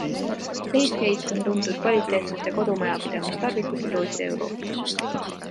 Leifheit on tuntud kvaliteetsete kodumajapidamistarvikute tootja Euroopas.